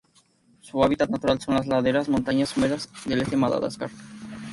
Su hábitat natural son las laderas montanas húmedas del este Madagascar.